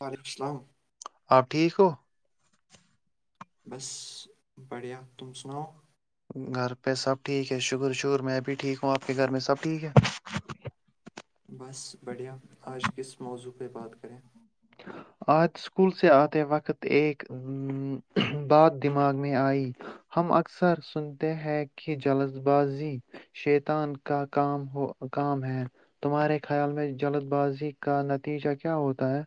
وعلیکم السلام آپ ٹھیک ہو بس بڑیا تم سناؤ گھر پہ سب ٹھیک ہے شکر شکر میں بھی ٹھیک ہوں آپ کے گھر میں سب ٹھیک ہے بس بڑھیا آج کس موضوع پہ بات کریں آج اسکول سے آتے وقت ایک بات دماغ میں آئی ہم اکثر سنتے ہیں کہ جلد بازی شیتان کا کام ہو کام ہے تمہارے خیال میں جلد بازی کا نتیجہ کیا ہوتا ہے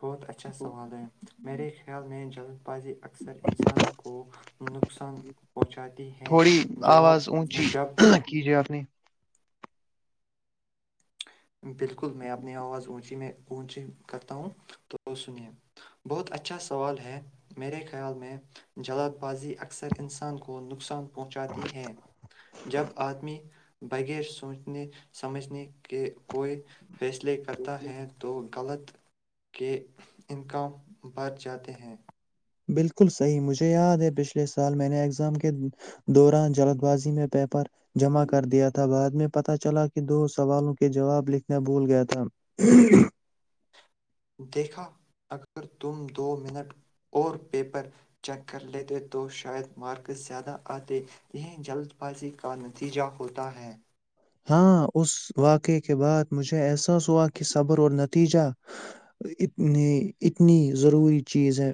بہت اچھا سوال ہے میرے خیال میں ہاں بازی اکثر انسان کو نقصان پہنچاتی ہے تھوڑی جواب آواز اونچی جب کیجیے آپ نے بالکل میں اپنی آواز اونچی میں اونچی کرتا ہوں تو سنیے بہت اچھا سوال ہے میرے خیال میں جلد بازی اکثر انسان کو نقصان پہنچاتی ہے جب آدمی بغیر سوچنے سمجھنے کے کوئی فیصلے کرتا ہے تو غلط کے انکام بھر جاتے ہیں بالکل صحیح مجھے یاد ہے پچھلے سال میں نے ایگزام کے دوران جلد بازی میں پیپر جمع کر دیا تھا بعد میں پتہ چلا کہ دو سوالوں کے جواب لکھنا بھول گیا تھا دیکھا اگر تم دو منٹ اور پیپر چیک کر لیتے تو شاید مارکس زیادہ آتے یہیں جلد بازی کا نتیجہ ہوتا ہے ہاں اس واقعہ کے بعد مجھے احساس ہوا کہ صبر اور نتیجہ اتنی اتنی ضروری چیز ہے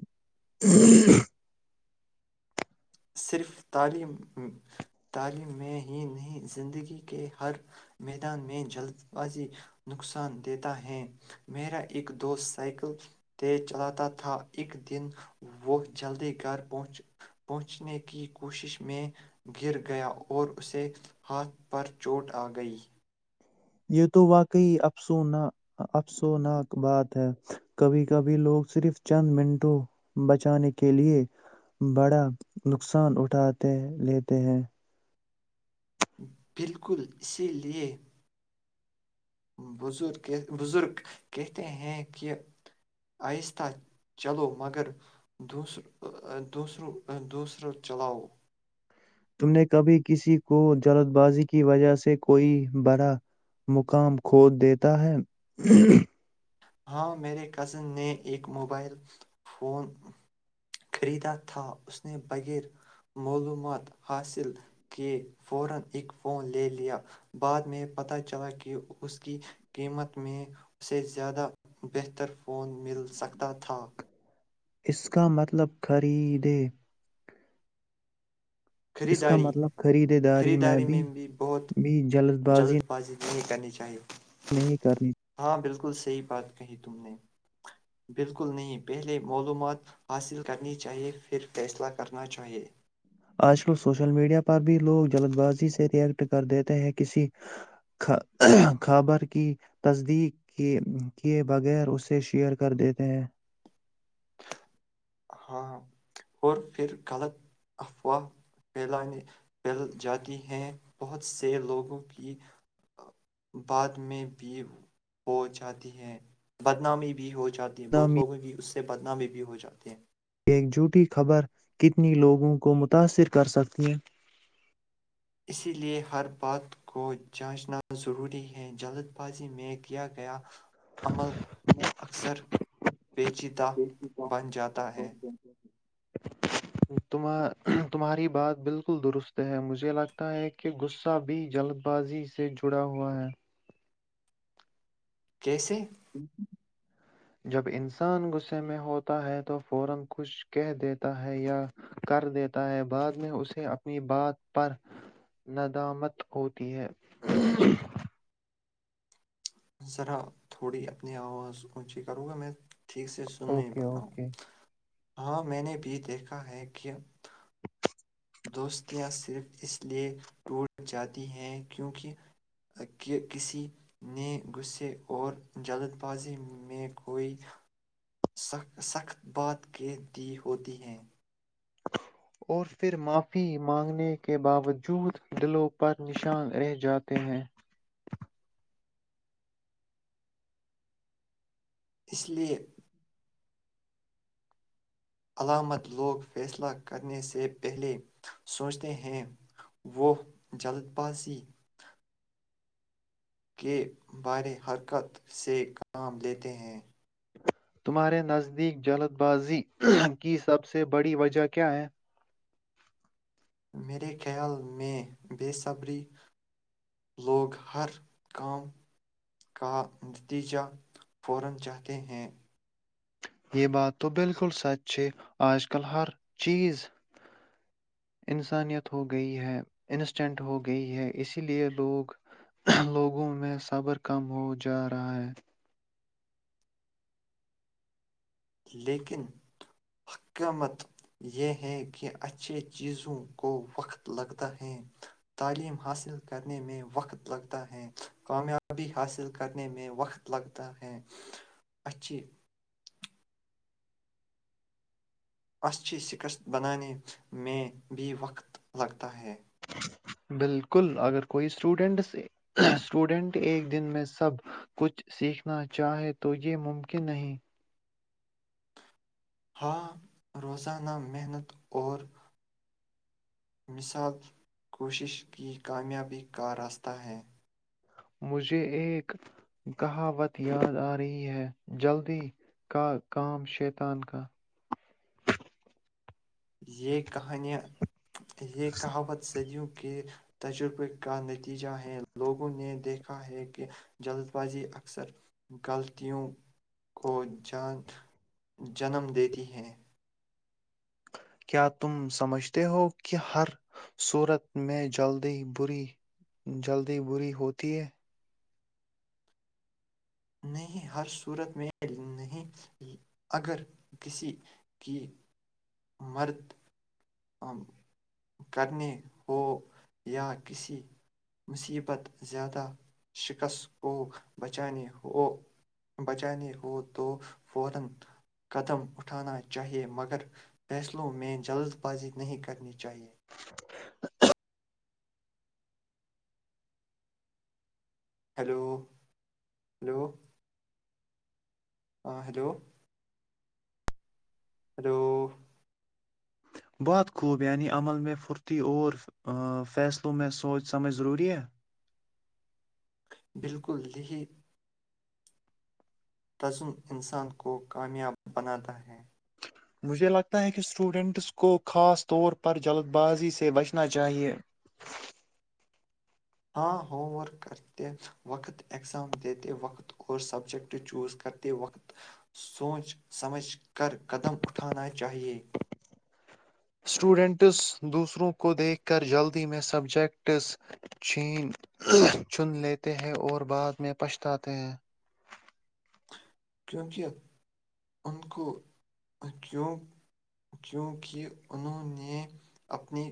صرف تعلیم تعلیم میں ہی نہیں زندگی کے ہر میدان میں جلد بازی نقصان دیتا ہے میرا ایک دوست سائیکل تیز چلاتا تھا ایک دن وہ جلدی گھر پہنچ پہنچنے کی کوشش میں گر گیا اور اسے ہاتھ پر چوٹ آ گئی یہ تو واقعی افسنا افسوناک بات ہے کبھی کبھی لوگ صرف چند منٹوں بچانے کے لیے بڑا نقصان اٹھاتے لیتے ہیں بالکل اسی لیے بزرگ کہتے ہیں کہ آہستہ چلو مگر دور دوسرو دوسروں چلاؤ تم نے کبھی کسی کو جلد بازی کی وجہ سے کوئی بڑا مقام کھود دیتا ہے ہ بہتر فون مل سکتا تھا اس کا مطلب خریدے اس کا خریداری مطلب خرید داری میں بھی بھی جلد بازی نہیں کرنی چاہیے نہیں کرنی ہاں بالکل صحی بات کہی تم نے بالکل نہیں پہلے معلومات حاصل کرنی چاہیئے پھر فیصلہ کرنا چاہیئے آج کل سوشل میڈیا پر بھی لوگ جلد بازی سے ریکٹ کر دییتے ہیں کسی خبر کی تصدیق کیے بغیر اسے شیئر کر دیتے ہیں ہاں اور پھر غلط افواہ پھیلانے پھیل جاتی ہیں بہت سے لوگوں کی بعد میں بھی ہو جاتی ہے بدنامی بھی ہو چاہتی ہیں بہت نامی لوگوں کی اس بدنامے بھی ہو جاتے ہیں یہ ایک جھوٹی خبر کتنی لوگوں کو متاثر کر سکتی ہیں اسی لئے ہر بات کو جانچنا ضروری ہے جلد بازی میں کیا گیا عمل اکثر پیچیدہ ہے بن جاتا ہے تمہاری بات بالکل درست ہے مجھے لگتا ہے کہ غصہ بھی جلد بازی سے جڑا ہوا ہے کیسے [unintelligible] ذرا تھوڑی اپنی آواز اونچی کروں گا میں ٹھیک سے سن اوکے پت اوکے ہاں میں نے بھی دیکھا ہے کہ دوستیاں صرف اس لئے ٹوٹ جاتی ہیں کیونکہ کہ کسی نے غصے اور جلد بازی میں کوئی سخت بات کہہ دی ہوتی ہیں اور پھر معافی مانگنے کے باوجود دلوں پر نشان رہ جاتے ہیں اس لیے علامت لوگ فیصلہ کرنے سے پہلے سوچتے ہیں وہ جلد بازی کے بارے حرکت سے کام لیتے ہیں تمہارے نزدیک جلد بازی کی سب سے بڑی وجہ کیا ہے ہ [unintelligible] یہ بات تو بالکل سچ ہے آج کل ہر چیز انسانیت ہو گئی ہے انسٹینٹ ہو گئی ہے اسی لیے لوگ لوگوں میں صبر کم ہو جا رہا ہے لیکن حکامت یہ ہے کہ اچھے چیزوں کو وقت لگتا ہے تعلیم حاصل کرنے میں وقت لگتا ہے کامیابی حاصل کرنے میں وقت لگتا ہے اچھی اچھی شکست بنانے میں بھی وقت لگتا ہے بالکل اگر کوئی اسٹوڈینٹ اسٹوڈینٹ ایک دن میں سب کچھ سیکھنا چاہے تو یہ ممکن نہیں ہاں روزانہ محنت اور مثال کوشش کی کامیابی کا راستہ ہے مجھے ایک کہاوت یاد آ رہی ہے جلدی کا کام شیتان کا یہ کہانیاں یہ کہاوت صدیوں کے تجربے کا نتیجہ ہے لوگوں نے دیکھا ہے کہ جلد بازی اکثر غلطیوں کو جنم دیتی ہے کیا تم سمجھتے ہو کہ ہر صورت میں بری جلدی بری ہوتی ہے نہیں ہر صورت میں نہیں اگر کسی کی مرد کرنے ہو یا کسی مصیبت زیادہ شکست کو بچانے ہو بچا نہیں وہ تو فورا ختم اٹھانا چاہیے مگر فیصلوں میں جلد واجب نہیں کرنی چاہیے ہیلو ہلو ہاں ہلو ہلو بہت خوبیانی عمل میں پھرتی اور فیصلوں میں سوچ ہمیں ضروری ہے بالکل لے تزم انسان کو کامیاب بناتا ہے مجھے لگتا ہے کہ اسٹوڈنٹس کو خاص طور پر جلد بازی سے بچنا چاہیئے وقت ایگزام دیتے وقت اور سبجیکٹ چوز کرتے وقت سوچ سمجھ کر قدم اٹھانا چاہیے اسٹوڈنٹس دوسروں کو دیکھ کر جلدی میں سبجیکٹس چ چن لیتے ہیں اور بعد میں پچھتاتے ہیں کیونکہ ان کو کیوں کیونکہ انہوں نے اپنی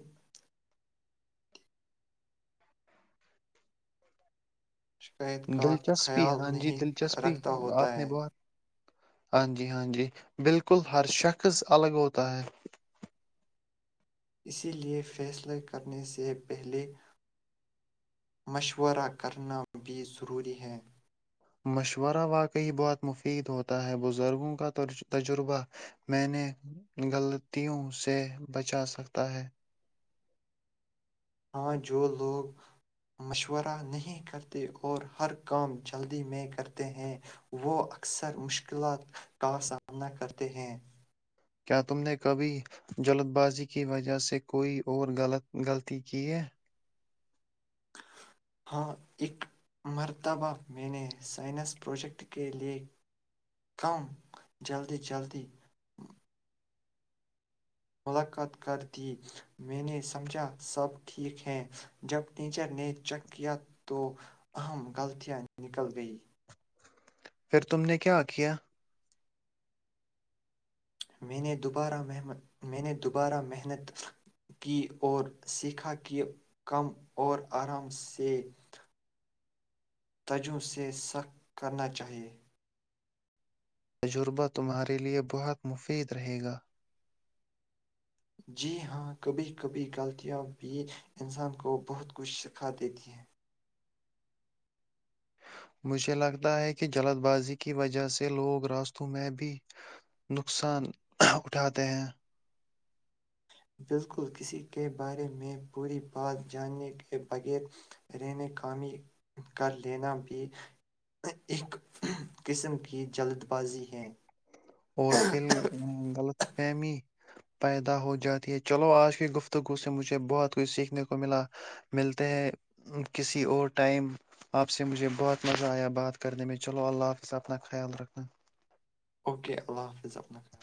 شکایت کا دلچسپی خیال ہاں جی نہیں دلچسپی رکھتا ہوتا آپ نے ہے بہت ہاں جی ہاں جی بالکل ہر شخص الگ ہوتا ہے اسی لے فیصلہے کرنے سے پہلے مشورہ کرنا بھی ضروری ہے مشورہ واقعی بہت مفید ہوتا ہے بزرگوں کا تجربہ میں نے غلطیوں سے بچا سکتا ہے ہاں جو لوگ مشورہ نہیں کرتے اور ہر کام جلدی میں کرتے ہیں وہ اکثر مشکلات کا سامنا کرتے ہیں کیا تم نے کبھی جلد بازی کی وجہ سے کوئی اور غلط غلطی کی ہے ہاں اک مرتبہ میں نے سائنس پروجیکٹ کے لیئے کہوں جلدی جلدی ملاقات کر دی میں نے سمجھا سب ٹھیک ہیں جب ٹیچر نے چیک کیا تو اہم غلطیاں نکل گئیں پھر تم نے کیا کیا میں نےہ میں نے دوبارہ محنت کی اور سیکھا کہ کم اور آرام سے تجم سے سخ کرنا چاہیئے تجربہ تمہارے لیے بہت مفید رہے گا جی ہاں کبھی کبھی غلطیاں بھی انسان کو بہت کچھ سکھا دیتی ہیں مجھے لگتا ہے کہ جلد بازی کی وجہ سے لوگ راستوں میں بھی نقصان اٹھاتے ہیں بالکل کسی کے بارے میں پوری بات جاننے کے بغیر رہنے کاامی کر لینا بھی ایک قسم کی جلد بازی ہے اور فھر غلط فہمی پیدا ہو جاتی ہے چلو آج کی گفتگو سے مجھے بہت کچھ سیکھنے کو ملا ملتے ہیں کسی اور ٹائم آپ سے مجھے بہت مزہ آیا بات کرنے میں چلو اللہ حافظ اپنا خیال رکھنا اوے اللہ حافظ اپنا خیال